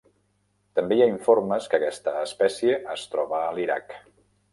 També hi ha informes que aquesta espècie es troba a l'Iraq.